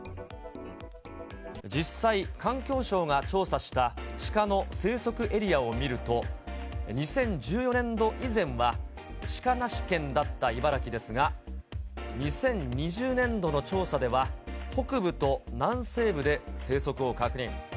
実際、環境省が調査したシカの生息エリアを見ると、２０１４年度以前は、シカなし県だった茨城ですが、２０２０年度の調査では、北部と南西部で生息を確認。